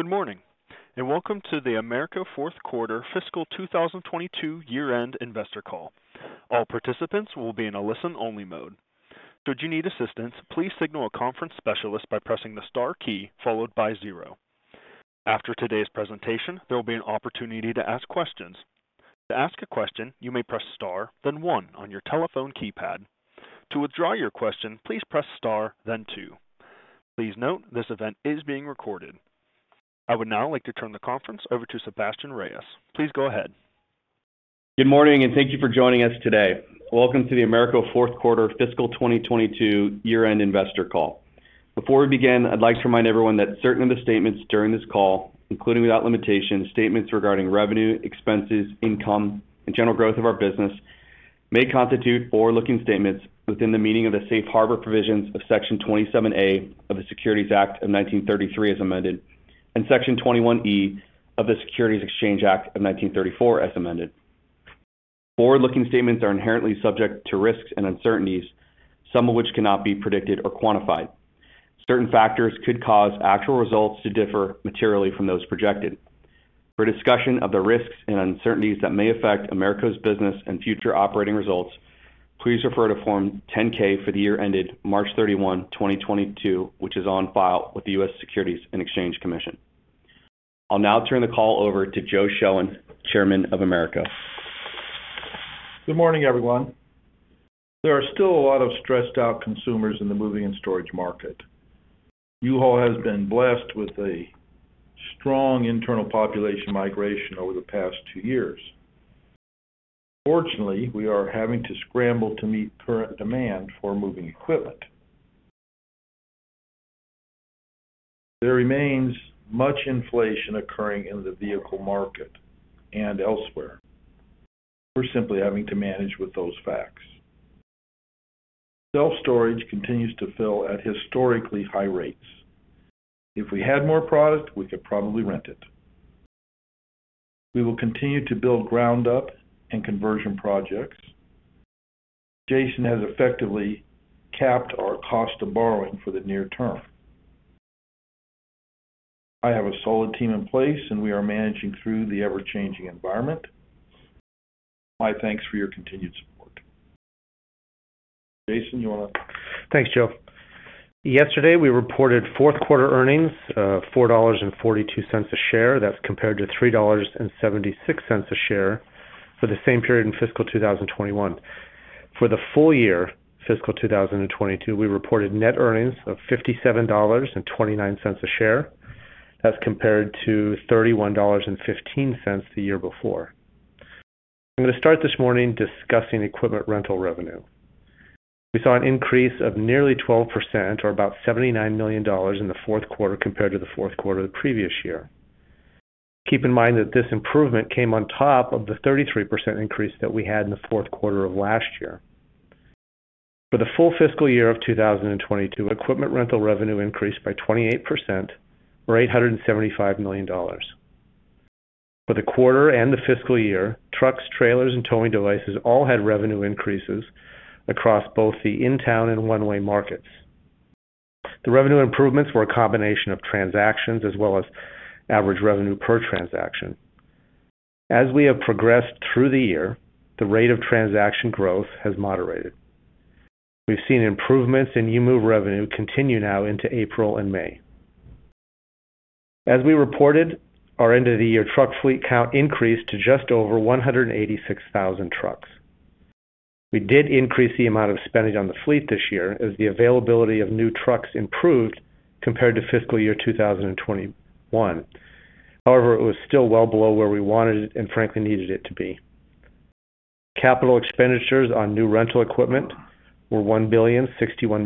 Good morning, and welcome to the AMERCO fourth quarter fiscal 2022 year-end investor call. All participants will be in a listen-only mode. Should you need assistance, please signal a conference specialist by pressing the star key followed by zero. After today's presentation, there will be an opportunity to ask questions. To ask a question, you may press star, then one on your telephone keypad. To withdraw your question, please press star, then two. Please note, this event is being recorded. I would now like to turn the conference over to Sebastien Reyes. Please go ahead. Good morning, and thank you for joining us today. Welcome to the AMERCO fourth quarter fiscal 2022 year-end investor call. Before we begin, I'd like to remind everyone that certain of the statements during this call, including without limitation, statements regarding revenue, expenses, income, and general growth of our business, may constitute forward-looking statements within the meaning of the safe harbor provisions of Section 27A of the Securities Act of 1933 as amended, and Section 21E of the Securities Exchange Act of 1934 as amended. Forward-looking statements are inherently subject to risks and uncertainties, some of which cannot be predicted or quantified. Certain factors could cause actual results to differ materially from those projected. For a discussion of the risks and uncertainties that may affect AMERCO's business and future operating results, please refer to Form 10-K for the year ended March 31, 2022, which is on file with the U.S. Securities and Exchange Commission. I'll now turn the call over to Joe Shoen, Chairman of AMERCO. Good morning, everyone. There are still a lot of stressed-out consumers in the moving and storage market. U-Haul has been blessed with a strong internal population migration over the past two years. Fortunately, we are having to scramble to meet current demand for moving equipment. There remains much inflation occurring in the vehicle market and elsewhere. We're simply having to manage with those facts. Self-storage continues to fill at historically high rates. If we had more product, we could probably rent it. We will continue to build ground up and conversion projects. Jason has effectively capped our cost of borrowing for the near term. I have a solid team in place, and we are managing through the ever-changing environment. My thanks for your continued support. Jason, you want to. Thanks, Joe. Yesterday, we reported fourth quarter earnings of $4.42 a share. That's compared to $3.76 a share for the same period in fiscal 2021. For the full year, fiscal 2022, we reported net earnings of $57.29 a share. That's compared to $31.15 the year before. I'm going to start this morning discussing equipment rental revenue. We saw an increase of nearly 12% or about $79 million in the fourth quarter compared to the fourth quarter of the previous year. Keep in mind that this improvement came on top of the 33% increase that we had in the fourth quarter of last year. For the full fiscal year of 2022, equipment rental revenue increased by 28% or $875 million. For the quarter and the fiscal year, trucks, trailers, and towing devices all had revenue increases across both the in-town and one-way markets. The revenue improvements were a combination of transactions as well as average revenue per transaction. As we have progressed through the year, the rate of transaction growth has moderated. We've seen improvements in U-Move revenue continue now into April and May. As we reported, our end of the year truck fleet count increased to just over 186,000 trucks. We did increase the amount of spending on the fleet this year as the availability of new trucks improved compared to fiscal year 2021. However, it was still well below where we wanted it and frankly needed it to be. Capital expenditures on new rental equipment were $1.61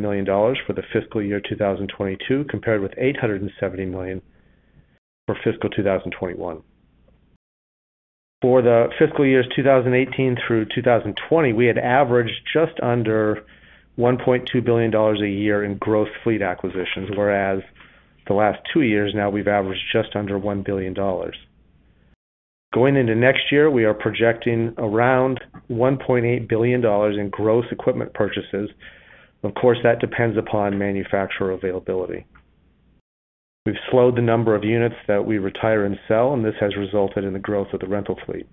billion for the fiscal year 2022, compared with $870 million for fiscal 2021. For the fiscal years 2018 through 2020, we had averaged just under $1.2 billion a year in gross fleet acquisitions, whereas the last two years now we've averaged just under $1 billion. Going into next year, we are projecting around $1.8 billion in gross equipment purchases. Of course, that depends upon manufacturer availability. We've slowed the number of units that we retire and sell, and this has resulted in the growth of the rental fleet.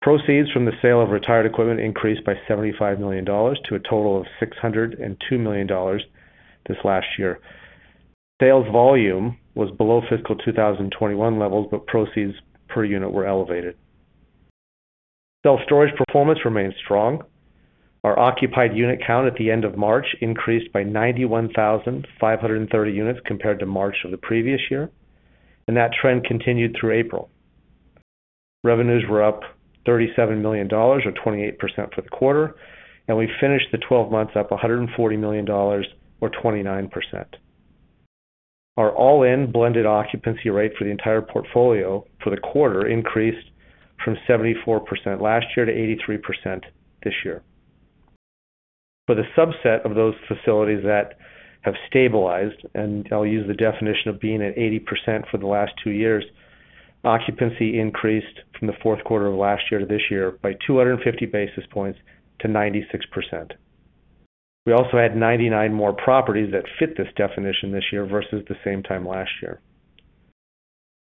Proceeds from the sale of retired equipment increased by $75 million to a total of $602 million this last year. Sales volume was below fiscal 2021 levels, but proceeds per unit were elevated. Self-storage performance remains strong. Our occupied unit count at the end of March increased by 91,530 units compared to March of the previous year, and that trend continued through April. Revenues were up $37 million or 28% for the quarter, and we finished 12 months up $140 million or 29%. Our all-in blended occupancy rate for the entire portfolio for the quarter increased from 74% last year to 83% this year. For the subset of those facilities that have stabilized, and I'll use the definition of being at 80% for the last two years, occupancy increased from the fourth quarter of last year to this year by 250 basis points to 96%. We also had 99 more properties that fit this definition this year versus the same time last year.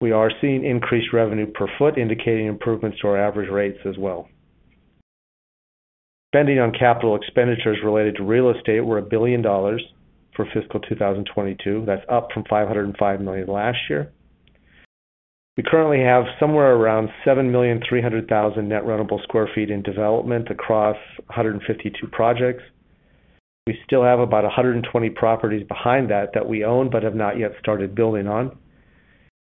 We are seeing increased revenue per foot, indicating improvements to our average rates as well. Spending on capital expenditures related to real estate were $1 billion for fiscal 2022. That's up from $505 million last year. We currently have somewhere around 7.3 million net rentable sq ft in development across 152 projects. We still have about 120 properties behind that that we own but have not yet started building on.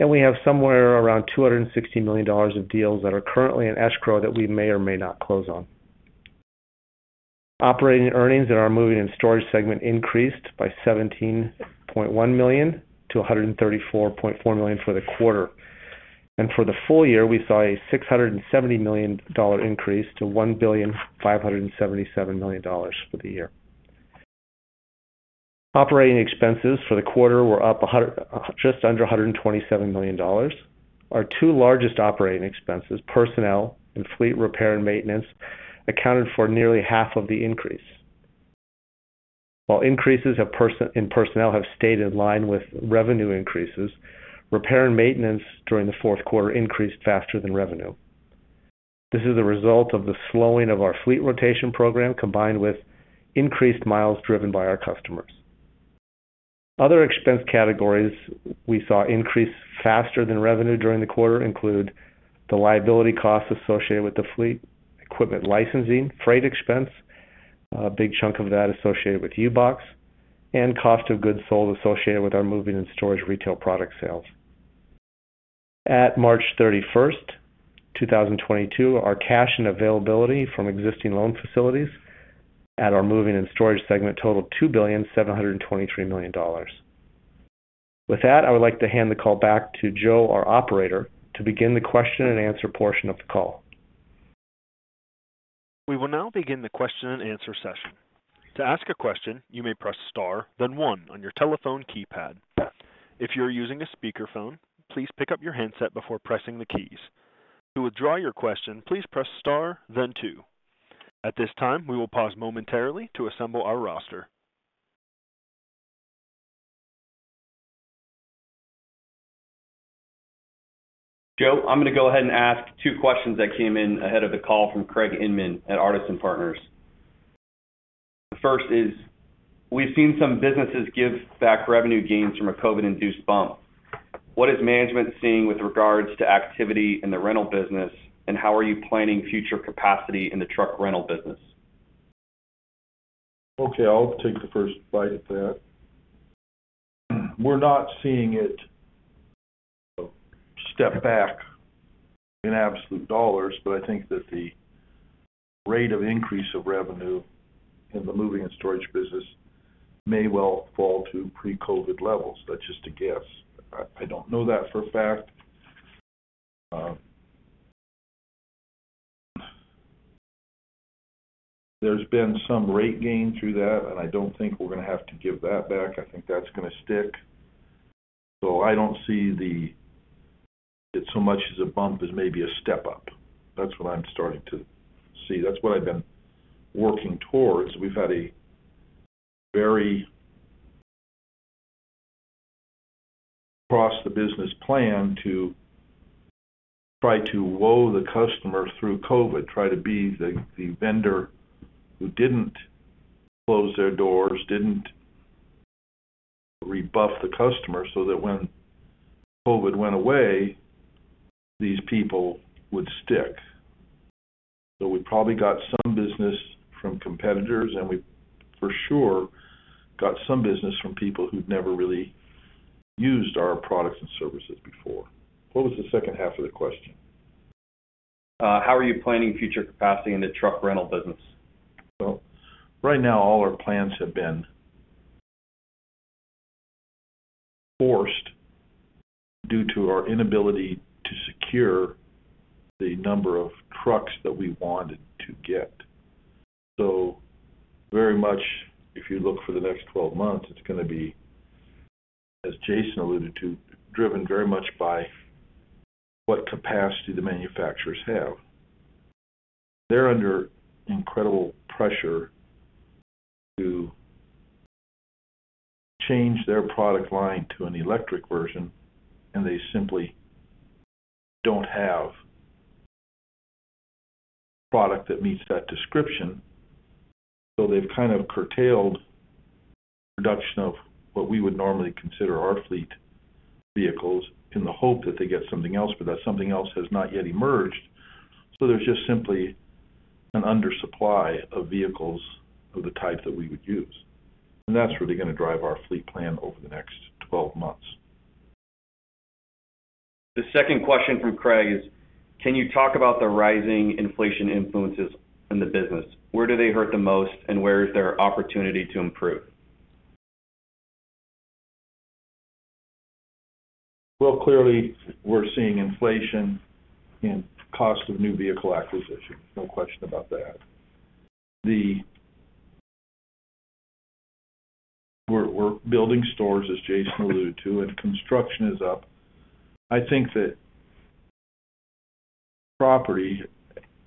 We have somewhere around $260 million of deals that are currently in escrow that we may or may not close on. Operating earnings in our moving and storage segment increased by $17.1 million to $134.4 million for the quarter. For the full year, we saw a $670 million increase to $1.577 billion for the year. Operating expenses for the quarter were up just under $127 million. Our two largest operating expenses, personnel and fleet repair and maintenance, accounted for nearly half of the increase. While increases in personnel have stayed in line with revenue increases, repair and maintenance during the fourth quarter increased faster than revenue. This is a result of the slowing of our fleet rotation program, combined with increased miles driven by our customers. Other expense categories we saw increase faster than revenue during the quarter include the liability costs associated with the fleet, equipment licensing, freight expense, a big chunk of that associated with U-Box, and cost of goods sold associated with our moving and storage retail product sales. At March 31st, 2022, our cash and availability from existing loan facilities at our moving and storage segment totaled $2.723 billion. With that, I would like to hand the call back to Joe, our operator, to begin the question and answer portion of the call. We will now begin the question and answer session. To ask a question, you may press star, then one on your telephone keypad. If you are using a speakerphone, please pick up your handset before pressing the keys. To withdraw your question, please press star, then two. At this time, we will pause momentarily to assemble our roster. Joe, I'm gonna go ahead and ask two questions that came in ahead of the call from Craig Inman at Artisan Partners. The first is, we've seen some businesses give back revenue gains from a COVID-induced bump. What is management seeing with regards to activity in the rental business, and how are you planning future capacity in the truck rental business? Okay. I'll take the first bite at that. We're not seeing it step back in absolute dollars, but I think that the rate of increase of revenue in the moving and storage business may well fall to pre-COVID levels. That's just a guess. I don't know that for a fact. There's been some rate gain through that, and I don't think we're gonna have to give that back. I think that's gonna stick. I don't see it so much as a bump as maybe a step-up. That's what I'm starting to see. That's what I've been working towards. We've had across the business plan to try to woo the customer through COVID, try to be the vendor who didn't close their doors, didn't rebuff the customer, so that when COVID went away, these people would stick. We probably got some business from competitors, and we for sure got some business from people who'd never really used our products and services before. What was the second half of the question? How are you planning future capacity in the truck rental business? Well, right now, all our plans have been forced due to our inability to secure the number of trucks that we wanted to get. Very much, if you look for the next 12 months, it's gonna be, as Jason alluded to, driven very much by what capacity the manufacturers have. They're under incredible pressure to change their product line to an electric version, and they simply don't have product that meets that description. They've kind of curtailed production of what we would normally consider our fleet vehicles in the hope that they get something else. That something else has not yet emerged, so there's just simply an undersupply of vehicles of the type that we would use. That's really gonna drive our fleet plan over the next 12 months. The second question from Craig is, can you talk about the rising inflation influences in the business? Where do they hurt the most, and where is there opportunity to improve? Well, clearly, we're seeing inflation in cost of new vehicle acquisition. No question about that. We're building stores, as Jason alluded to, and construction is up. I think that property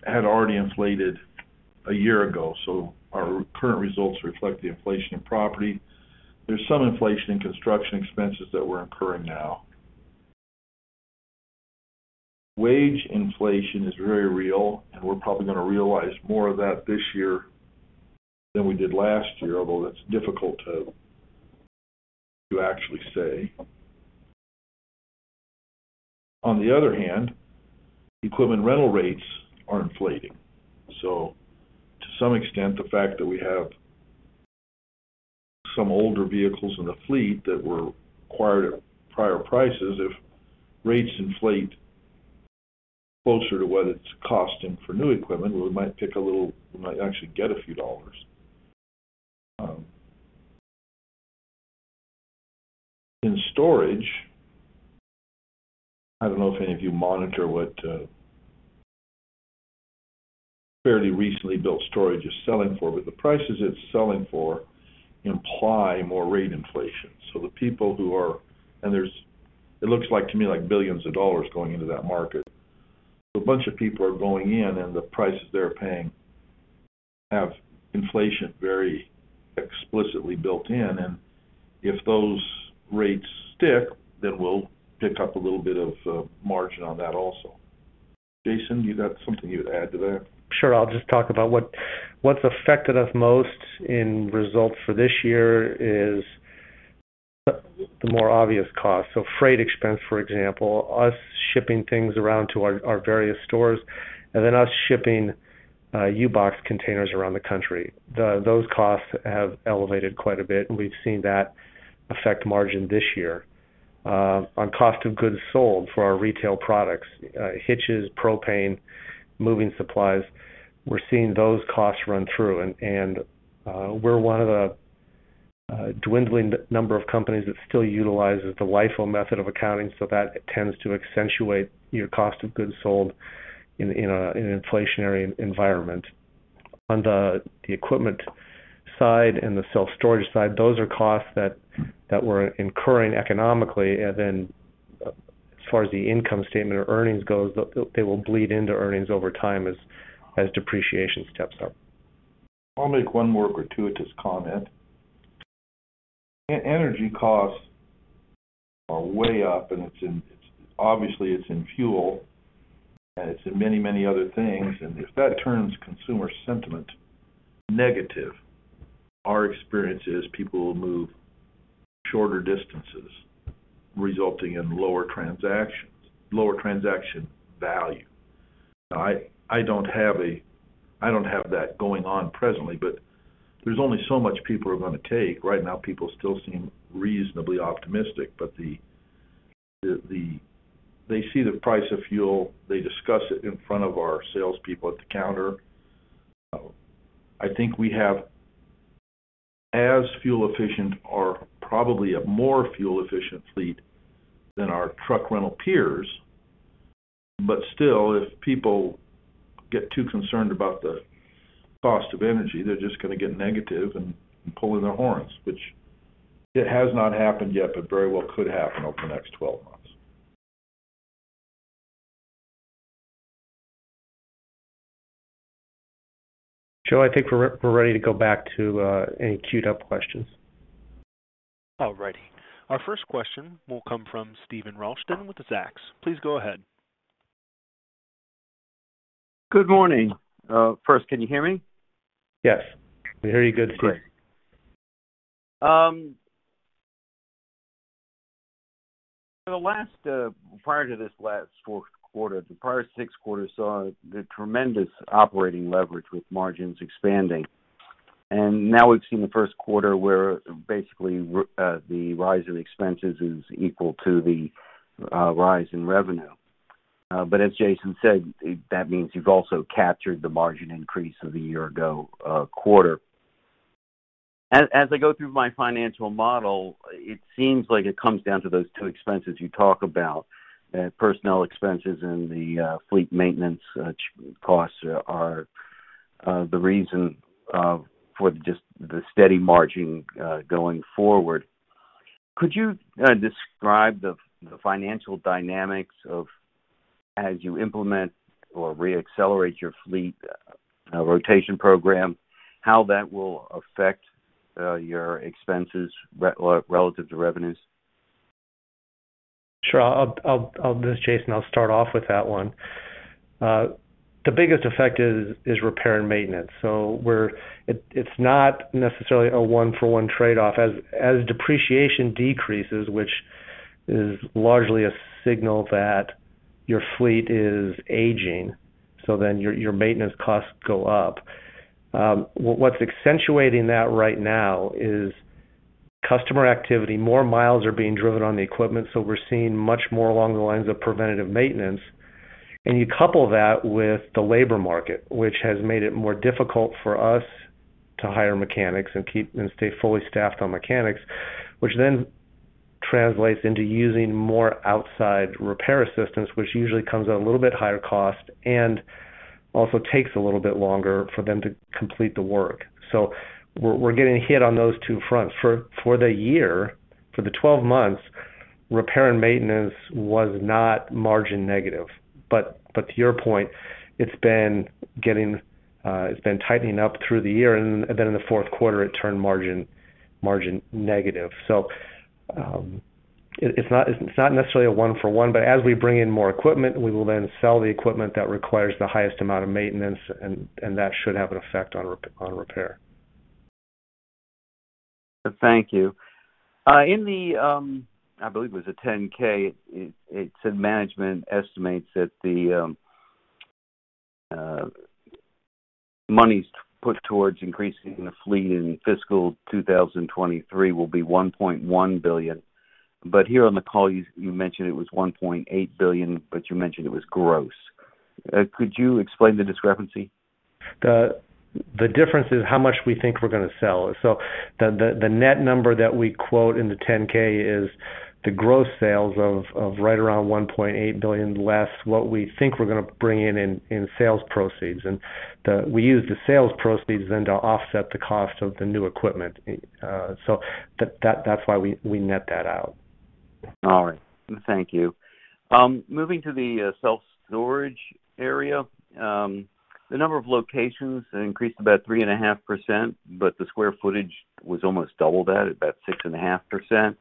had already inflated a year ago, so our current results reflect the inflation in property. There's some inflation in construction expenses that we're incurring now. Wage inflation is very real, and we're probably gonna realize more of that this year than we did last year, although that's difficult to actually say. On the other hand, equipment rental rates are inflating. So to some extent, the fact that we have some older vehicles in the fleet that were acquired at prior prices, if rates inflate closer to what it's costing for new equipment, we might actually get a few dollars. In storage, I don't know if any of you monitor what fairly recently built storage is selling for, but the prices it's selling for imply more rate inflation. It looks to me like billions of dollars going into that market. A bunch of people are going in and the prices they're paying have inflation very explicitly built in. If those rates stick, then we'll pick up a little bit of margin on that also. Jason, you got something you would add to that? Sure. I'll just talk about what's affected us most in results for this year is the more obvious costs. Freight expense, for example, us shipping things around to our various stores, and then us shipping U-Box containers around the country. Those costs have elevated quite a bit, and we've seen that affect margin this year. On cost of goods sold for our retail products, hitches, propane, moving supplies, we're seeing those costs run through. We're one of the dwindling number of companies that still utilizes the LIFO method of accounting, so that tends to accentuate your cost of goods sold in an inflationary environment. On the equipment side and the self-storage side, those are costs that we're incurring economically, and then as far as the income statement or earnings goes, they will bleed into earnings over time as depreciation steps up. I'll make one more gratuitous comment. Energy costs are way up, and it's obviously in fuel, and it's in many, many other things. If that turns consumer sentiment negative, our experience is people will move shorter distances, resulting in lower transactions, lower transaction value. I don't have that going on presently, but there's only so much people are gonna take. Right now, people still seem reasonably optimistic, but they see the price of fuel. They discuss it in front of our salespeople at the counter. I think we have as fuel efficient or probably a more fuel efficient fleet than our truck rental peers. Still, if people get too concerned about the cost of energy, they're just gonna get negative and pull in their horns, which it has not happened yet, but very well could happen over the next 12 months. Joe, I think we're ready to go back to any queued up questions. All righty. Our first question will come from Steven Ralston with Zacks. Please go ahead. Good morning. First, can you hear me? Yes. We hear you good, Steve. Great. Prior to this last fourth quarter, the prior six quarters saw the tremendous operating leverage with margins expanding. Now we've seen the first quarter where basically the rise in expenses is equal to the rise in revenue. As Jason said, that means you've also captured the margin increase of the year ago quarter. As I go through my financial model, it seems like it comes down to those two expenses you talk about, personnel expenses and the fleet maintenance costs, are the reason for just the steady margin going forward. Could you describe the financial dynamics as you implement or re-accelerate your fleet rotation program, how that will affect your expenses relative to revenues? Sure. This is Jason. I'll start off with that one. The biggest effect is repair and maintenance. It's not necessarily a one-for-one trade-off. As depreciation decreases, which is largely a signal that your fleet is aging, so then your maintenance costs go up. What's accentuating that right now is customer activity. More miles are being driven on the equipment, so we're seeing much more along the lines of preventative maintenance. You couple that with the labor market, which has made it more difficult for us to hire mechanics and keep and stay fully staffed on mechanics, which then translates into using more outside repair assistance, which usually comes at a little bit higher cost and also takes a little bit longer for them to complete the work. We're getting hit on those two fronts. For the 12 months, repair and maintenance was not margin negative. To your point, it's been tightening up through the year and then in the fourth quarter it turned margin negative. It's not necessarily a one for one, but as we bring in more equipment, we will then sell the equipment that requires the highest amount of maintenance and that should have an effect on repair. Thank you. In the 10-K, I believe it said management estimates that the monies put towards increasing the fleet in fiscal 2023 will be $1.1 billion. Here on the call, you mentioned it was $1.8 billion, but you mentioned it was gross. Could you explain the discrepancy? The difference is how much we think we're gonna sell. The net number that we quote in the 10-K is the gross sales of right around $1.8 billion, less what we think we're gonna bring in sales proceeds. We use the sales proceeds then to offset the cost of the new equipment. That's why we net that out. All right. Thank you. Moving to the self-storage area, the number of locations increased about 3.5%, but the square footage was almost double that, about 6.5%.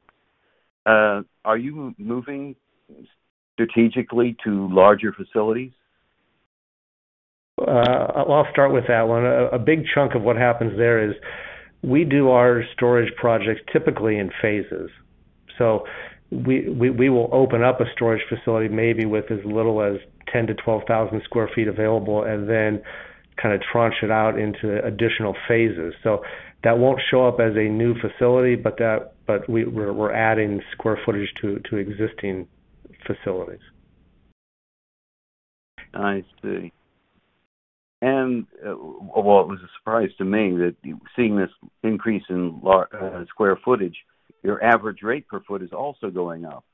Are you moving strategically to larger facilities? I'll start with that one. A big chunk of what happens there is we do our storage projects typically in phases. We will open up a storage facility maybe with as little as 10,000-12,000 sq ft available and then kind of tranche it out into additional phases. That won't show up as a new facility, but we're adding square footage to existing facilities. I see. Well, it was a surprise to me that seeing this increase in square footage, your average rate per foot is also going up.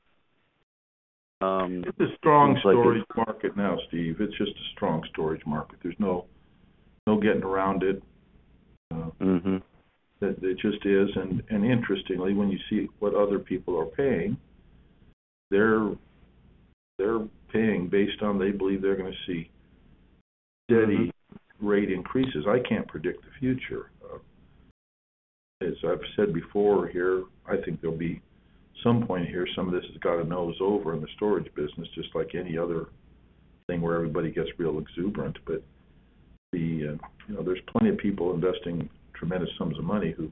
It's a strong storage market now, Steve. It's just a strong storage market. There's no getting around it. Mm-hmm. It just is. Interestingly, when you see what other people are paying, they're paying based on they believe they're gonna see steady rate increases. I can't predict the future. As I've said before here, I think there'll be some point here, some of this has got to nose over in the storage business, just like any other thing where everybody gets real exuberant. You know, there's plenty of people investing tremendous sums of money who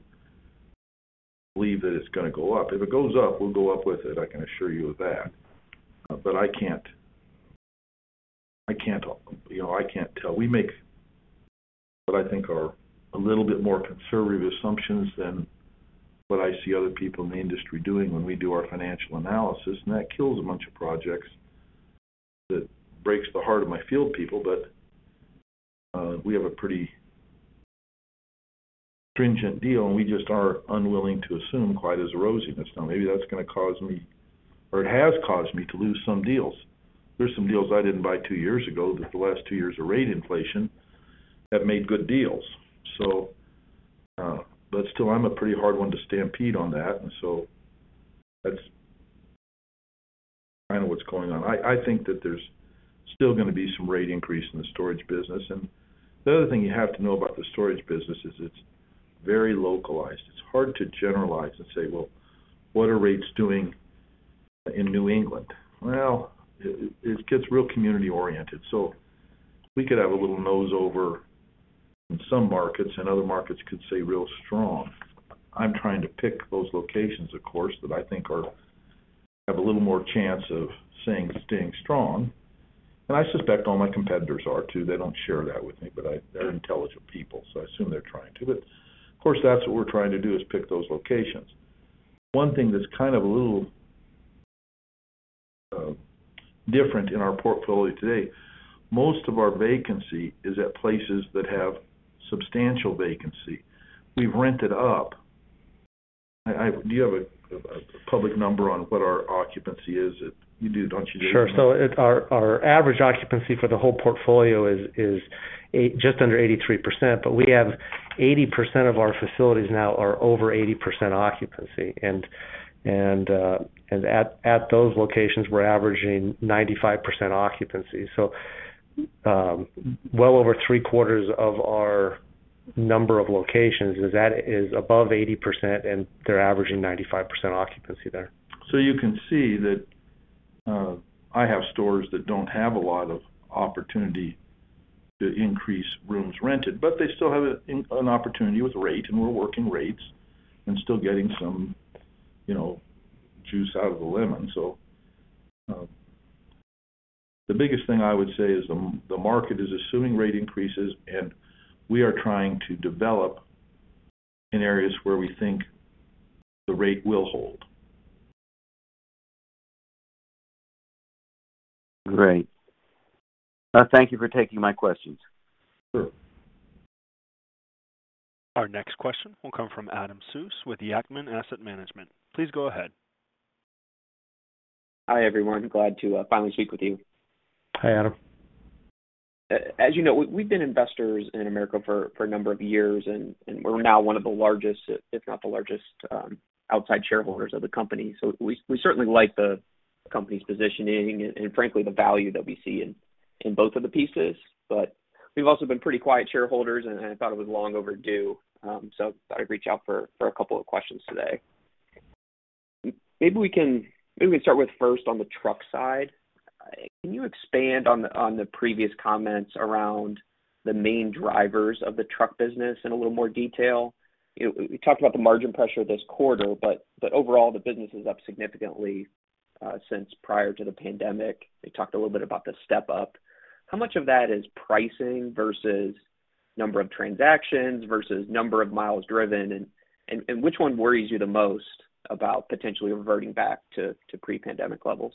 believe that it's gonna go up. If it goes up, we'll go up with it, I can assure you of that. I can't, you know, I can't tell. We make what I think are a little bit more conservative assumptions than what I see other people in the industry doing when we do our financial analysis, and that kills a bunch of projects. That breaks the heart of my field people, but we have a pretty stringent deal, and we just are unwilling to assume quite as rosiness. Now, maybe that's gonna cause me, or it has caused me to lose some deals. There's some deals I didn't buy two years ago that the last two years of rate inflation have made good deals. Still, I'm a pretty hard one to stampede on that, and so that's kind of what's going on. I think that there's still gonna be some rate increase in the storage business. The other thing you have to know about the storage business is it's very localized. It's hard to generalize and say, "Well, what are rates doing in New England?" Well, it gets real community-oriented. We could have a little nose over in some markets, and other markets could stay real strong. I'm trying to pick those locations, of course, that I think have a little more chance of staying strong. I suspect all my competitors are too. They don't share that with me, but they're intelligent people, so I assume they're trying to. Of course, that's what we're trying to do is pick those locations. One thing that's kind of a little different in our portfolio today, most of our vacancy is at places that have substantial vacancy. We've rented up. Do you have a public number on what our occupancy is? You do, don't you, Dave? Sure. Our average occupancy for the whole portfolio is just under 83%, but 80% of our facilities now are over 80% occupancy. At those locations, we're averaging 95% occupancy. Well over three-quarters of our number of locations is above 80%, and they're averaging 95% occupancy there. You can see that I have stores that don't have a lot of opportunity to increase rooms rented, but they still have an opportunity with rate, and we're working rates and still getting some, you know, juice out of the lemon. The biggest thing I would say is the market is assuming rate increases, and we are trying to develop in areas where we think the rate will hold. Great. Thank you for taking my questions. Sure. Our next question will come from Adam Sues with Yacktman Asset Management. Please go ahead. Hi, everyone. Glad to finally speak with you. Hi, Adam. As you know, we've been investors in AMERCO for a number of years, and we're now one of the largest, if not the largest, outside shareholders of the company. We certainly like the company's positioning and frankly, the value that we see in both of the pieces. We've also been pretty quiet shareholders and I thought it was long overdue, so thought I'd reach out for a couple of questions today. Maybe we can start with first on the truck side. Can you expand on the previous comments around the main drivers of the truck business in a little more detail? You know, we talked about the margin pressure this quarter, but overall, the business is up significantly since prior to the pandemic. We talked a little bit about the step up. How much of that is pricing versus number of transactions versus number of miles driven? Which one worries you the most about potentially reverting back to pre-pandemic levels?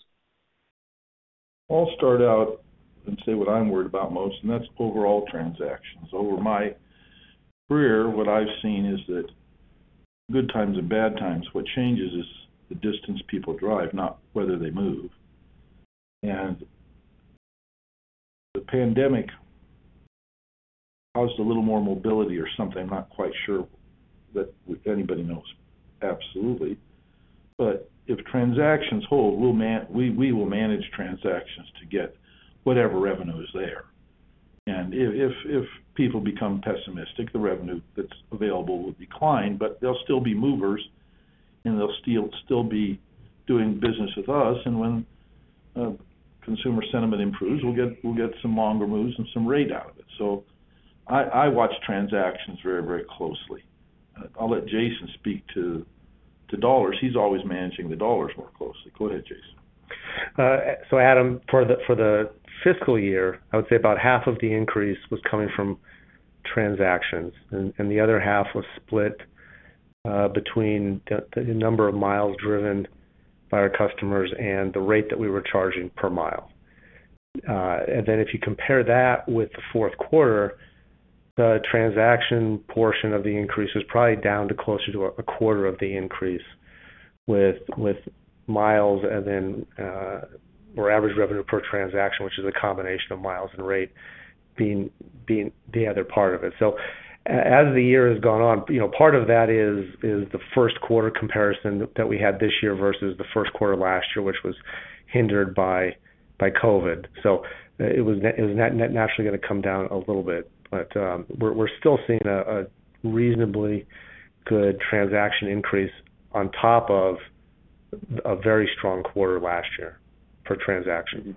I'll start out and say what I'm worried about most, and that's overall transactions. Over my career, what I've seen is that good times and bad times, what changes is the distance people drive, not whether they move. The pandemic caused a little more mobility or something. I'm not quite sure that anybody knows absolutely. If transactions hold, we will manage transactions to get whatever revenue is there. If people become pessimistic, the revenue that's available will decline, but they'll still be movers, and they'll still be doing business with us. When consumer sentiment improves, we'll get some longer moves and some rate out of it. I watch transactions very, very closely. I'll let Jason speak to dollars. He's always managing the dollars more closely. Go ahead, Jason. Adam, for the fiscal year, I would say about half of the increase was coming from transactions, and the other half was split between the number of miles driven by our customers and the rate that we were charging per mile. And then if you compare that with the fourth quarter, the transaction portion of the increase was probably down to closer to a quarter of the increase with miles and then or average revenue per transaction, which is a combination of miles and rate being the other part of it. As the year has gone on, you know, part of that is the first quarter comparison that we had this year versus the first quarter last year, which was hindered by COVID. It was naturally gonna come down a little bit. We're still seeing a reasonably good transaction increase on top of a very strong quarter last year for transaction.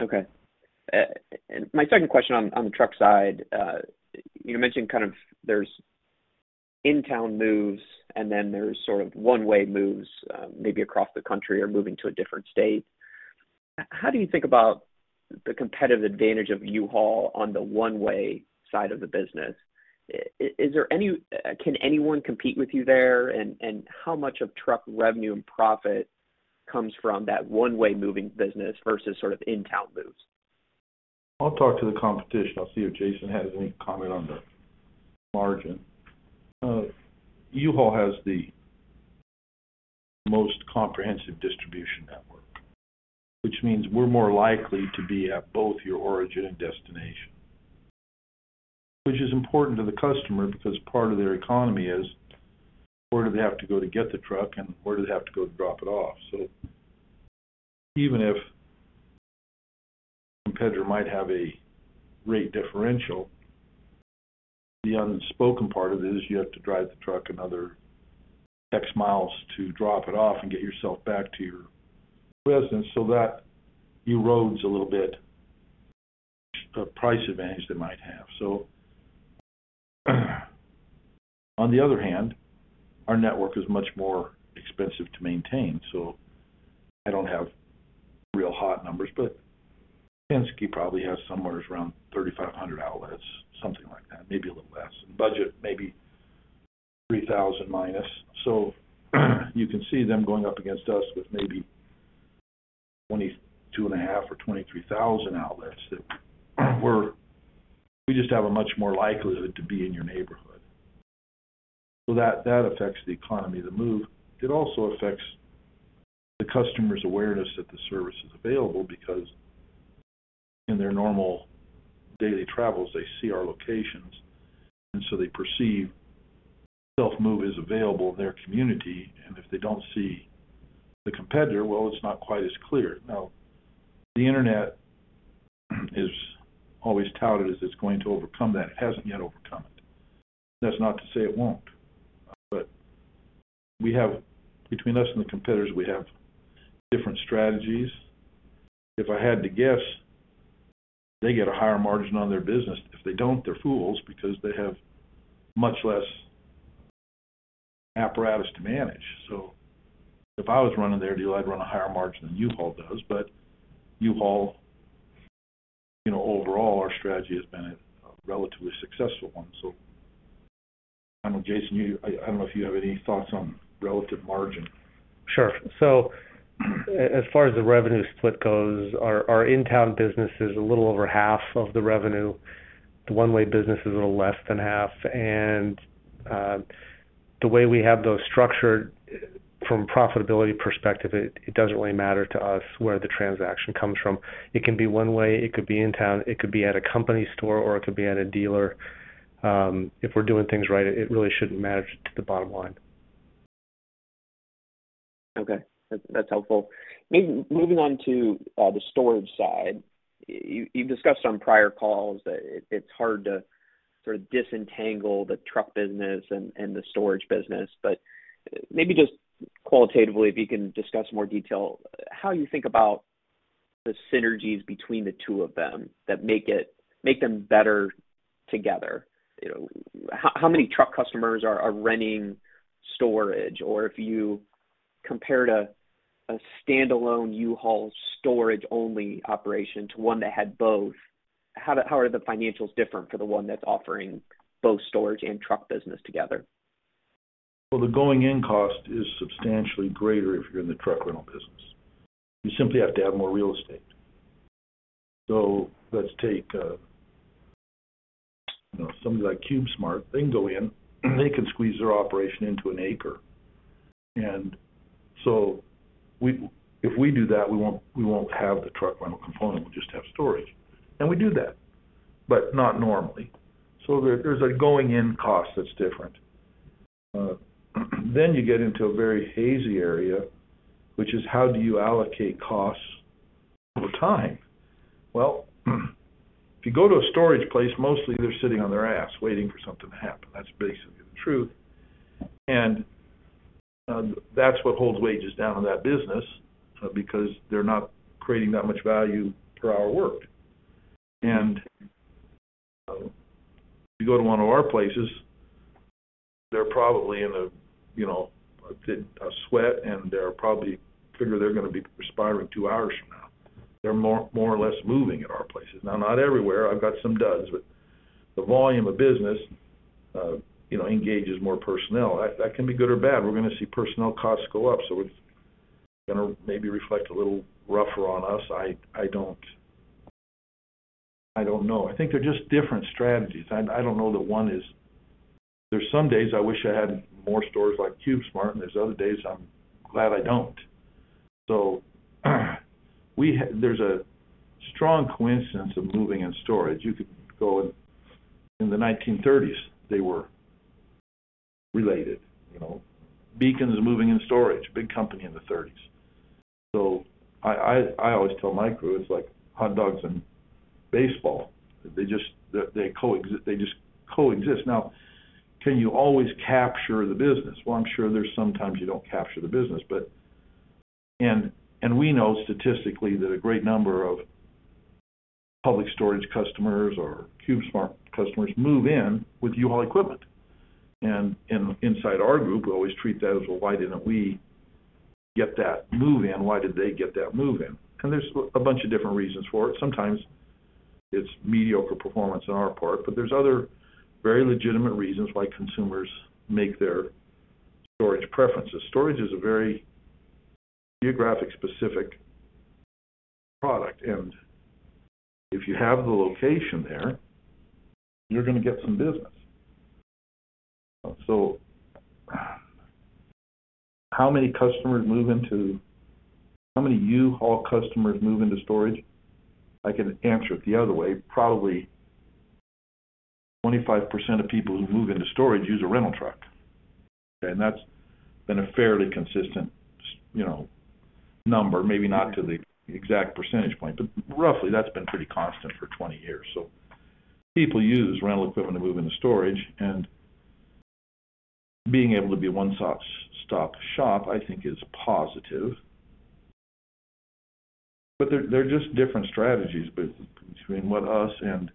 Okay. My second question on the truck side, you mentioned kind of there's in-town moves and then there's sort of one-way moves, maybe across the country or moving to a different state. How do you think about the competitive advantage of U-Haul on the one-way side of the business? Can anyone compete with you there? How much of truck revenue and profit comes from that one-way moving business versus sort of in-town moves? I'll talk to the competition. I'll see if Jason has any comment on the margin. U-Haul has the most comprehensive distribution network, which means we're more likely to be at both your origin and destination, which is important to the customer because part of their economy is where do they have to go to get the truck and where do they have to go to drop it off. So even if a competitor might have a rate differential, the unspoken part of it is you have to drive the truck another X miles to drop it off and get yourself back to your residence so that erodes a little bit, price advantage they might have. On the other hand, our network is much more expensive to maintain. I don't have real hot numbers, but Penske probably has somewhere around 3,500 outlets, something like that, maybe a little less budget maybe 3,000 minus. You can see them going up against us with maybe 22,500 or 23,000 outlets. We just have a much more likelihood to be in your neighborhood. That affects the economy of the move. It also affects the customer's awareness that the service is available because in their normal daily travels, they see our locations, and so they perceive self move is available in their community. If they don't see the competitor, well, it's not quite as clear. Now, the Internet is always touted as it's going to overcome that. It hasn't yet overcome it. That's not to say it won't, but we have. Between us and the competitors, we have different strategies. If I had to guess, they get a higher margin on their business. If they don't, they're fools because they have much less apparatus to manage. If I was running their deal, I'd run a higher margin than U-Haul does. U-Haul, you know, overall, our strategy has been a relatively successful one. I don't know, Jason, if you have any thoughts on relative margin. Sure. As far as the revenue split goes, our in-town business is a little over half of the revenue. The one-way business is a little less than half. The way we have those structured from profitability perspective, it doesn't really matter to us where the transaction comes from. It can be one way, it could be in town, it could be at a company store, or it could be at a dealer. If we're doing things right, it really shouldn't matter to the bottom line. Okay. That's helpful. Moving on to the storage side. You, you've discussed on prior calls that it's hard to sort of disentangle the truck business and the storage business. But maybe just qualitatively, if you can discuss more detail, how you think about the synergies between the two of them that make them better together. You know, how many truck customers are renting storage? Or if you compared a standalone U-Haul storage-only operation to one that had both, how are the financials different for the one that's offering both storage and truck business together? Well, the going-in cost is substantially greater if you're in the truck rental business. You simply have to have more real estate. Let's take, you know, somebody like CubeSmart. They can go in, they can squeeze their operation into an acre. If we do that, we won't have the truck rental component, we'll just have storage. We do that, but not normally. There's a going-in cost that's different. Then you get into a very hazy area, which is how do you allocate costs over time? Well, if you go to a storage place, mostly they're sitting on their ass waiting for something to happen. That's basically the truth. That's what holds wages down in that business because they're not creating that much value per hour worked. If you go to one of our places, they're probably in a, you know, a sweat, and they probably figure they're gonna be perspiring two hours from now. They're more or less moving at our places. Now, not everywhere. I've got some duds. The volume of business, you know, engages more personnel. That can be good or bad. We're gonna see personnel costs go up, so it's gonna maybe reflect a little rougher on us. I don't know. I think they're just different strategies. I don't know that one is. There's some days I wish I had more stores like CubeSmart, and there's other days I'm glad I don't. There's a strong coincidence of moving and storage. You could go in the 1930s, they were related, you know. Bekins Moving and Storage, big company in the thirties. I always tell my crew it's like hot dogs and baseball. They just coexist. Now, can you always capture the business? Well, I'm sure there's sometimes you don't capture the business, but. We know statistically that a great number of Public Storage customers or CubeSmart customers move in with U-Haul equipment. Inside our group, we always treat that as, "Well, why didn't we get that move in? Why did they get that move in?" There's a bunch of different reasons for it. Sometimes it's mediocre performance on our part, but there's other very legitimate reasons why consumers make their storage preferences. Storage is a very geographic specific product, and if you have the location there, you're gonna get some business. How many customers move into. How many U-Haul customers move into storage? I can answer it the other way. Probably 25% of people who move into storage use a rental truck. Okay. That's been a fairly consistent you know, number, maybe not to the exact percentage point, but roughly that's been pretty constant for 20 years. People use rental equipment to move into storage, and being able to be a one stop shop, I think is positive. They're just different strategies between what us and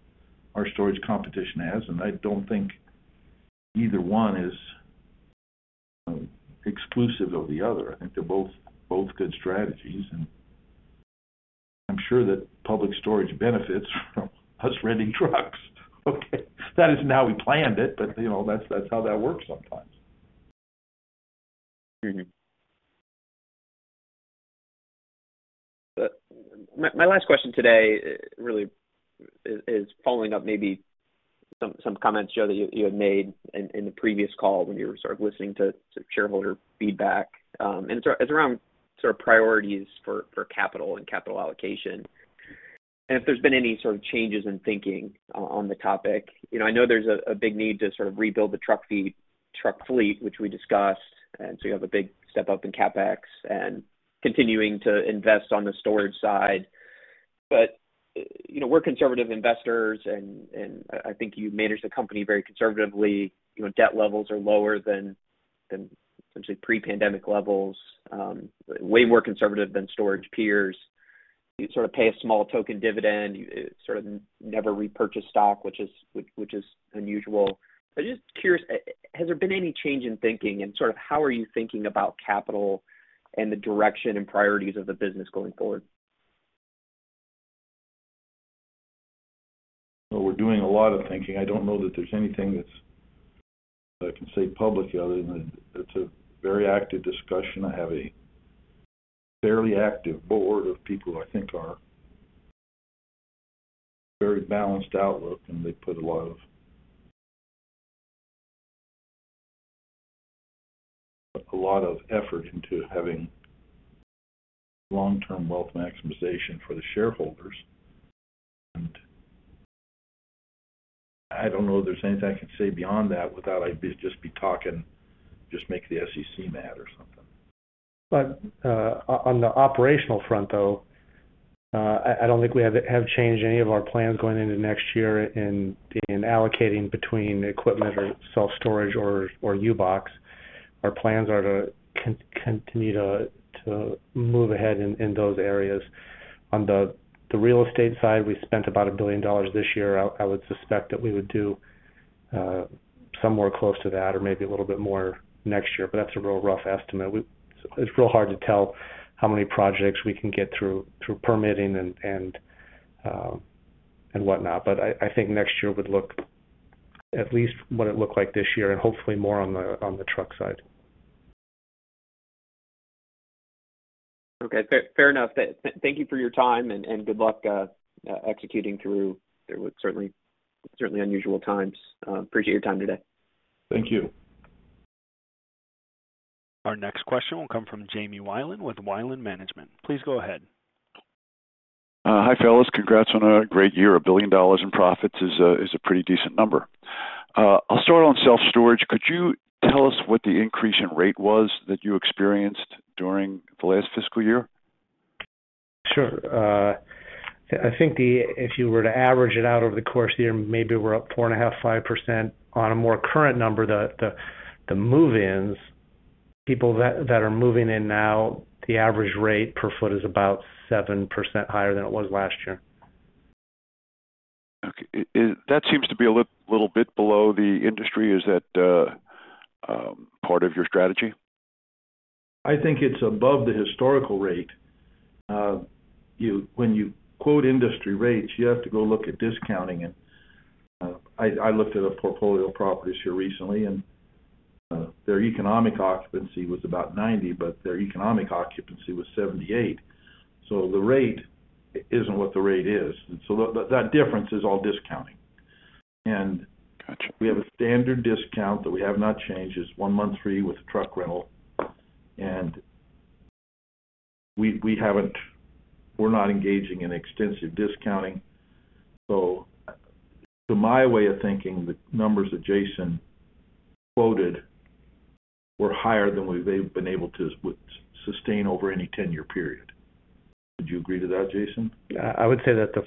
our storage competition has, and I don't think either one is exclusive of the other. I think they're both good strategies. I'm sure that Public Storage benefits from us renting trucks. Okay. That isn't how we planned it, but, you know, that's how that works sometimes. My last question today really is following up maybe some comments, Joe, that you had made in the previous call when you were sort of listening to shareholder feedback. It's around sort of priorities for capital and capital allocation. If there's been any sort of changes in thinking on the topic. You know, I know there's a big need to sort of rebuild the truck fleet, which we discussed, and so you have a big step up in CapEx and continuing to invest on the storage side. You know, we're conservative investors and I think you manage the company very conservatively. You know, debt levels are lower than essentially pre-pandemic levels, way more conservative than storage peers. You sort of pay a small token dividend. You sort of never repurchase stock, which is unusual. Just curious, has there been any change in thinking and sort of how are you thinking about capital and the direction and priorities of the business going forward? Well, we're doing a lot of thinking. I don't know that there's anything that I can say publicly other than it's a very active discussion. I have a fairly active board of people who I think are very balanced outlook, and they put a lot of effort into having long-term wealth maximization for the shareholders. I don't know if there's anything I can say beyond that without I'd just be talking, just make the SEC mad or something. On the operational front, though, I don't think we have changed any of our plans going into next year in allocating between equipment or self-storage or U-Box. Our plans are to continue to move ahead in those areas. On the real estate side, we spent about $1 billion this year. I would suspect that we would do somewhere close to that or maybe a little bit more next year, but that's a real rough estimate. It's real hard to tell how many projects we can get through permitting and whatnot. I think next year would look at least what it looked like this year and hopefully more on the truck side. Okay. Fair enough. Thank you for your time and good luck executing through what certainly unusual times. Appreciate your time today. Thank you. Our next question will come from Jamie Wilen with Wilen Management. Please go ahead. Hi, Joe. Congrats on a great year. $1 billion in profits is a pretty decent number. I'll start on self-storage. Could you tell us what the increase in rate was that you experienced during the last fiscal year? Sure. I think if you were to average it out over the course of the year, maybe we're up 4.5%-5%. On a more current number, the move-ins, people that are moving in now, the average rate per foot is about 7% higher than it was last year. Okay. That seems to be a little bit below the industry. Is that part of your strategy? I think it's above the historical rate. When you quote industry rates, you have to go look at discounting. I looked at a portfolio of properties here recently, and their economic occupancy was about 90%, but their economic occupancy was 78%, so the rate isn't what the rate is. That difference is all discounting. We have a standard discount that we have not changed. It's one month free with truck rental. We're not engaging in extensive discounting. To my way of thinking, the numbers that Jason quoted were higher than we've been able to sustain over any 10-year period. Would you agree to that, Jason? Yeah. I would say that the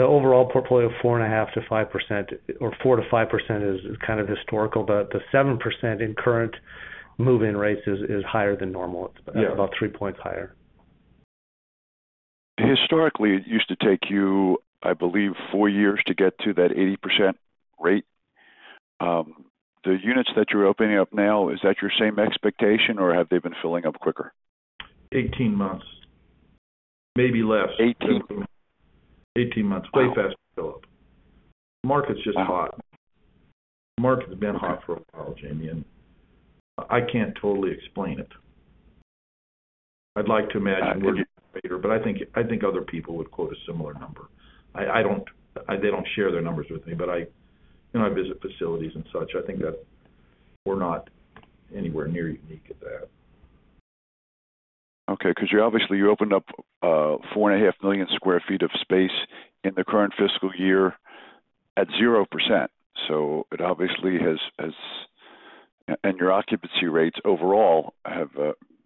overall portfolio of 4.5%-5% or 4%-5% is kind of historical. The seven percent in current move-in rates is higher than normal. Yes. It's about three points higher. Historically, it used to take you, I believe, four years to get to that 80% rate. The units that you're opening up now, is that your same expectation, or have they been filling up quicker? 18 months, maybe less. 18? 18 months. Way faster fill up. The market's just hot. The market's been hot for a while, Jamie, and I can't totally explain it. I'd like to imagine we're later, but I think other people would quote a similar number. They don't share their numbers with me, but you know, I visit facilities and such. I think that we're not anywhere near unique at that. Okay, 'cause you obviously opened up 4.5 million sq ft of space in the current fiscal year at 0%, so it obviously has. Your occupancy rates overall have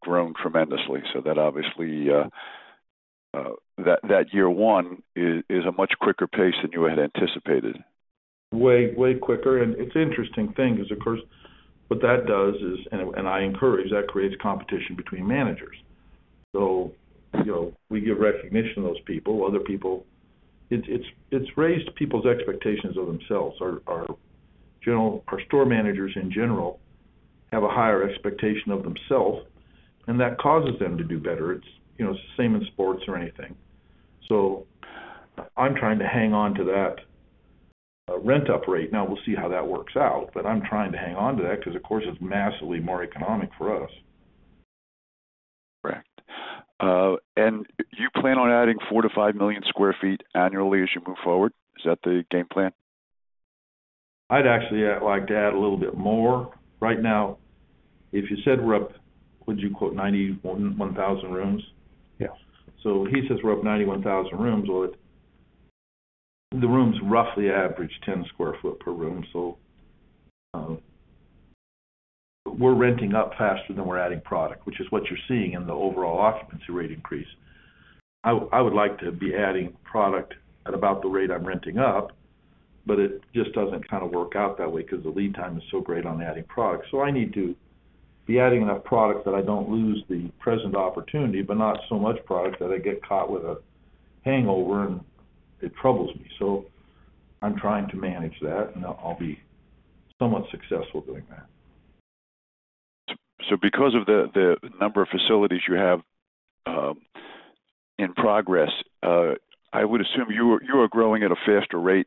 grown tremendously. That obviously, that year one is a much quicker pace than you had anticipated. Way, way quicker. It's interesting thing is, of course, what that does is, and I encourage, that creates competition between managers. So, you know, we give recognition to those people. Other people. It's raised people's expectations of themselves. Our store managers in general have a higher expectation of themselves, and that causes them to do better. It's, you know, same in sports or anything. So I'm trying to hang on to that rent-up rate. Now we'll see how that works out, but I'm trying to hang on to that because of course it's massively more economic for us. Correct. You plan on adding 4-5 million sq ft annually as you move forward? Is that the game plan? I'd actually like to add a little bit more. Right now, if you said we're up, would you quote 91, 1,000 rooms? Yes. He says we're up 91,000 rooms. Well, the rooms roughly average 10 sq ft per room, so we're renting up faster than we're adding product, which is what you're seeing in the overall occupancy rate increase. I would like to be adding product at about the rate I'm renting up, but it just doesn't kind of work out that way because the lead time is so great on adding product. I need to be adding enough product that I don't lose the present opportunity, but not so much product that I get caught with a hangover, and it troubles me. I'm trying to manage that, and I'll be somewhat successful doing that. Because of the number of facilities you have in progress, I would assume you are growing at a faster rate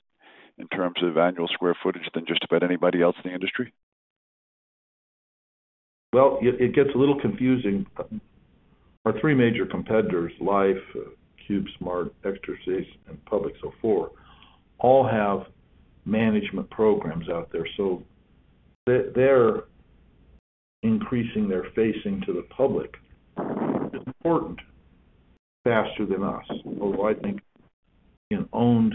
in terms of annual square footage than just about anybody else in the industry? Well, it gets a little confusing. Our three major competitors, Life, CubeSmart, Extra Space, and Public, so four, all have management programs out there, so they're increasing their facilities to the public. They're expanding faster than us, although I think in owned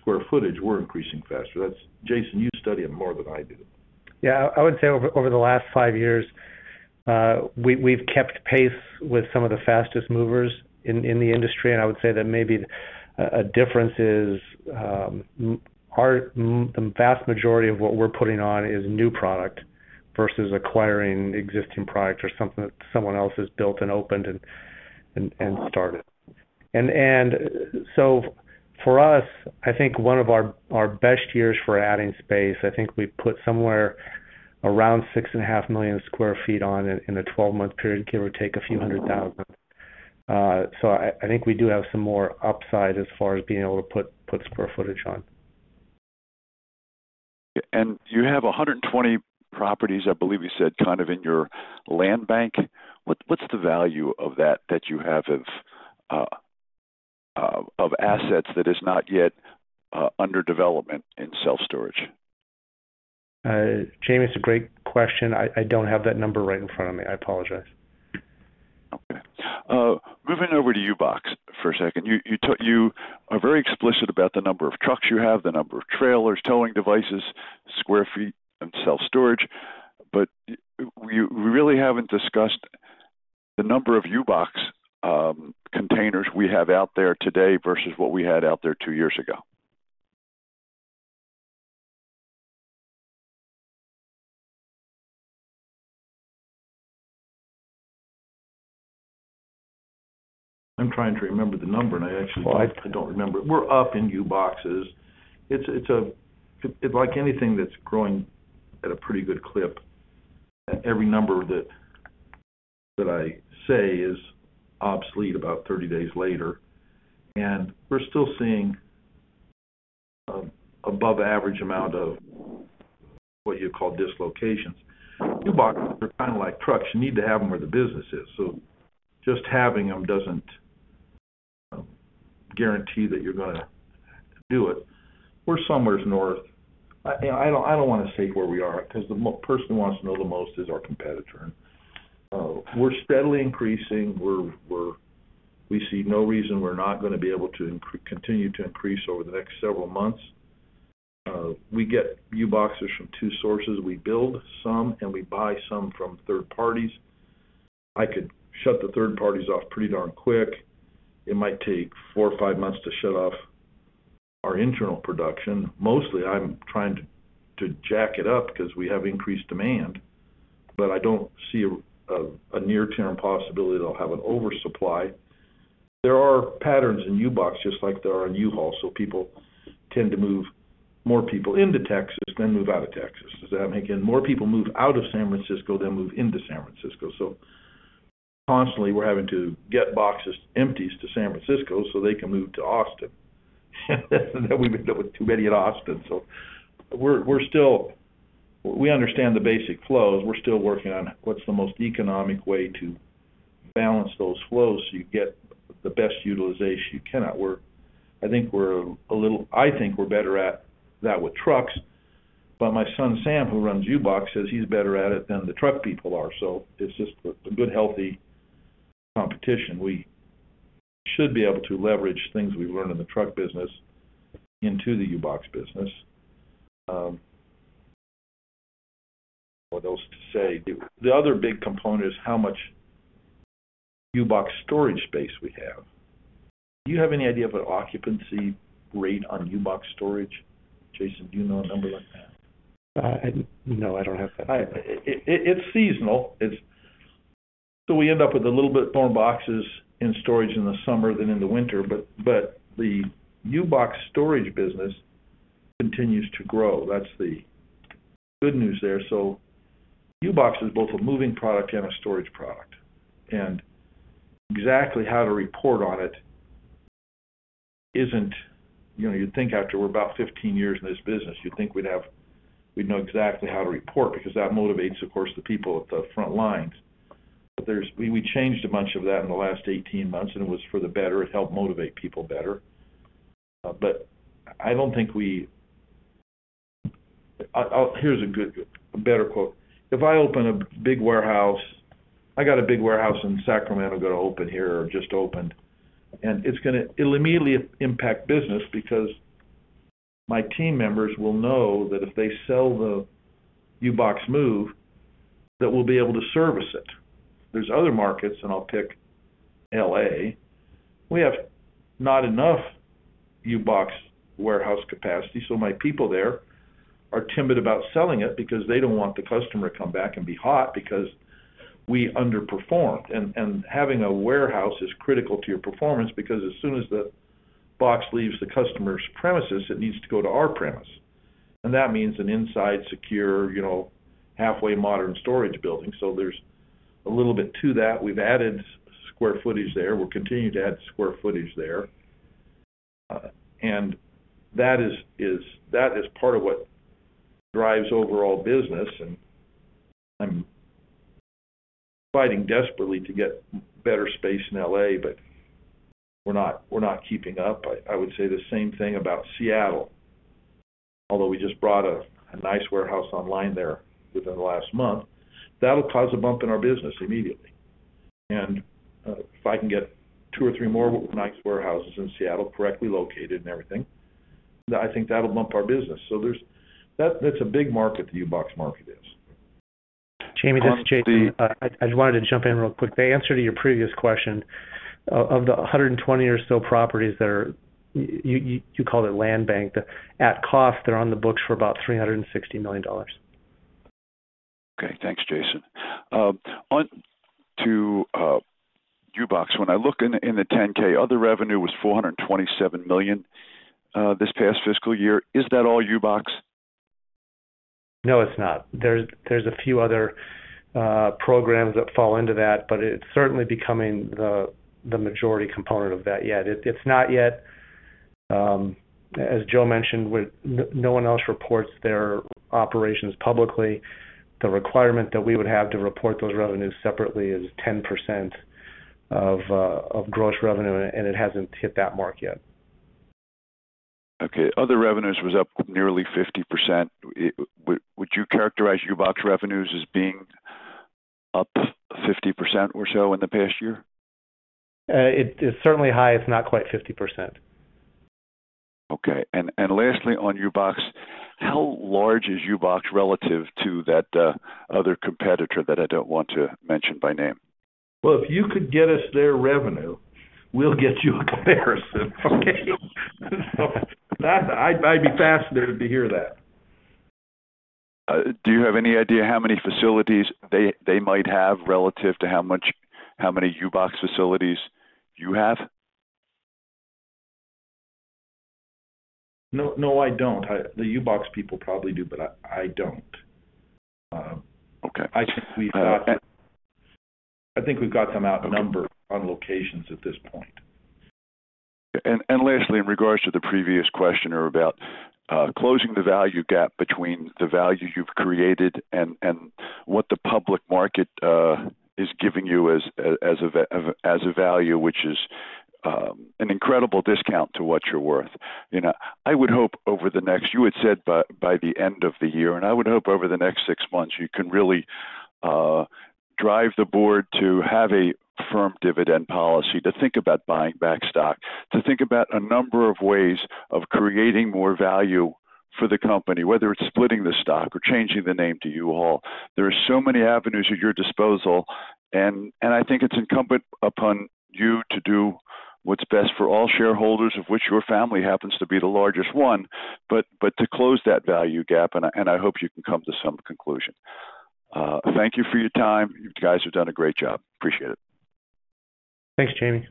square footage, we're increasing faster. That's. Jason, you study it more than I do. Yeah. I would say over the last five years, we've kept pace with some of the fastest movers in the industry. I would say that maybe a difference is our. The vast majority of what we're putting on is new product versus acquiring existing product or something that someone else has built and opened and started. So for us, I think one of our best years for adding space, I think we put somewhere around 6.5 million sq ft on in a 12-month period, give or take a few hundred thousand. So I think we do have some more upside as far as being able to put square footage on. You have 120 properties, I believe you said, kind of in your land bank. What's the value of that you have of assets that is not yet under development in self-storage? James Wilen, it's a great question. I don't have that number right in front of me. I apologize. Okay. Moving over to U-Box for a second. You are very explicit about the number of trucks you have, the number of trailers, towing devices, square feet in self-storage. But you, we really haven't discussed the number of U-Box containers you have out there today versus what you had out there two years ago. I'm trying to remember the number, and actually I don't remember. We're up in U-Boxes. It's like anything that's growing at a pretty good clip, every number that I say is obsolete about 30 days later. We're still seeing above average amount of what you call dislocations. U-Boxes are kind of like trucks. You need to have them where the business is. Just having them doesn't guarantee that you're gonna do it. We're somewhere north. I don't want to state where we are because the person who wants to know the most is our competitor. We're steadily increasing. We see no reason we're not going to be able to continue to increase over the next several months. We get U-Boxes from two sources. We build some, and we buy some from third parties. I could shut the third parties off pretty darn quick. It might take four or five months to shut off our internal production. Mostly, I'm trying to jack it up because we have increased demand, but I don't see a near-term possibility that I'll have an oversupply. There are patterns in U-Box, just like there are in U-Haul. People tend to move more people into Texas than move out of Texas. Does that make any sense. More people move out of San Francisco than move into San Francisco. Constantly, we're having to get empty boxes to San Francisco so they can move to Austin. Then we end up with too many at Austin. We're still working on what's the most economic way to balance those flows so you get the best utilization you can at work. We understand the basic flows. I think we're better at that with trucks, but my son, Sam, who runs U-Box, says he's better at it than the truck people are. It's just a good, healthy competition. We should be able to leverage things we learned in the truck business into the U-Box business. The other big component is how much U-Box storage space we have. Do you have any idea of an occupancy rate on U-Box storage? Jason, do you know a number like that? No, I don't have that. It's seasonal. We end up with a little bit more boxes in storage in the summer than in the winter. But the U-Box storage business continues to grow. That's the good news there. U-Box is both a moving product and a storage product. Exactly how to report on it isn't. You know, you'd think after we're about 15 years in this business, you'd think we'd know exactly how to report because that motivates, of course, the people at the front lines. There. We changed a bunch of that in the last 18 months, and it was for the better. It helped motivate people better. But I don't think we. Here's a better quote. If I open a big warehouse. I got a big warehouse in Sacramento going to open here or just opened, and it'll immediately impact business because my team members will know that if they sell the U-Box move, that we'll be able to service it. There's other markets, and I'll pick L.A. We have not enough U-Box warehouse capacity, so my people there are timid about selling it because they don't want the customer to come back and be hot because we underperformed. Having a warehouse is critical to your performance because as soon as the box leaves the customer's premises, it needs to go to our premise. That means an inside, secure, you know, halfway modern storage building. There's a little bit to that. We've added square footage there. We'll continue to add square footage there. That is part of what drives overall business, and I'm fighting desperately to get better space in L.A., but we're not keeping up. I would say the same thing about Seattle, although we just brought a nice warehouse online there within the last month. That'll cause a bump in our business immediately. If I can get two or three more nice warehouses in Seattle correctly located and everything, I think that'll bump our business. That's a big market, the U-Box market is. Jamie, this is Jason. I just wanted to jump in real quick. The answer to your previous question, of the 120 or so properties that are, you called it land bank, at cost, they're on the books for about $360 million. Okay, thanks, Jason. On to U-Box. When I look in the 10-K, other revenue was $427 million this past fiscal year. Is that all U-Box? No, it's not. There's a few other programs that fall into that, but it's certainly becoming the majority component of that yet. It's not yet, as Joe mentioned, but no one else reports their operations publicly. The requirement that we would have to report those revenues separately is 10% of gross revenue, and it hasn't hit that mark yet. Okay. Other revenues was up nearly 50%. Would you characterize U-Box revenues as being up 50% or so in the past year? It is certainly high. It's not quite 50%. Lastly, on U-Box, how large is U-Box relative to that other competitor that I don't want to mention by name? Well, if you could get us their revenue, we'll get you a comparison. Okay? That I'd be fascinated to hear that. Do you have any idea how many facilities they might have relative to how many U-Box facilities you have? No, I don't. The U-Box people probably do, but I don't. Okay. I think we've got. Uh, and- I think we've got them outnumbered. Okay on locations at this point. Lastly, in regard to the previous questioner about closing the value gap between the value you've created and what the public market is giving you as a value, which is an incredible discount to what you're worth. You know, I would hope over the next six months you can really drive the board to have a firm dividend policy to think about buying back stock, to think about a number of ways of creating more value for the company, whether it's splitting the stock or changing the name to U-Haul. There are so many avenues at your disposal. I think it's incumbent upon you to do what's best for all shareholders, of which your family happens to be the largest one. To close that value gap, and I hope you can come to some conclusion. Thank you for your time. You guys have done a great job. Appreciate it. Thanks, Jamie.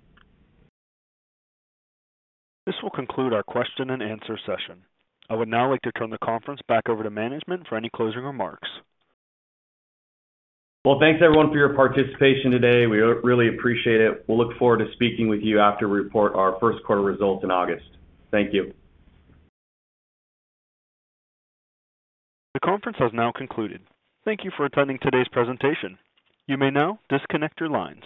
This will conclude our question and answer session. I would now like to turn the conference back over to management for any closing remarks. Well, thanks everyone for your participation today. We really appreciate it. We'll look forward to speaking with you after we report our first quarter results in August. Thank you. The conference has now concluded. Thank you for attending today's presentation. You may now disconnect your lines.